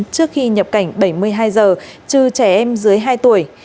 trước khi nhập cảnh bảy mươi hai giờ trừ trẻ em dưới hai tuổi